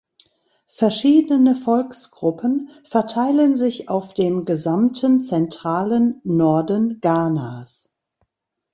Verschiedene Volksgruppen verteilen sich auf dem gesamten zentralen Norden Ghanas.